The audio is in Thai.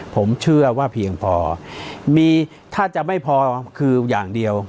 ผมเชื่อว่าเพียงพอเพียงพอขึ้นมีถ้าจะไม่พอคืออย่างเดียว